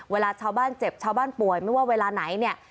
เวลาชาวบ้านเจ็บชาวบ้านป่วยไม่ว่าเวลาไหนเนี่ย